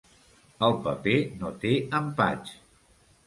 El paper no té empatx.